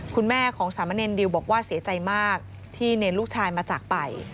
คุณแม่ของสามะเนรดิวบอกว่าเสียใจมากที่เนรลูกชายมาจากไป